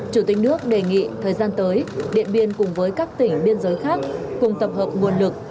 chủ tịch nước đề nghị thời gian tới điện biên cùng với các tỉnh biên giới khác cùng tập hợp nguồn lực